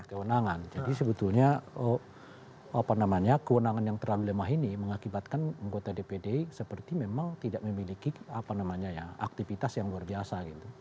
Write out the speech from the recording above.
kewenangan jadi sebetulnya kewenangan yang terlalu lemah ini mengakibatkan anggota dpd seperti memang tidak memiliki aktivitas yang luar biasa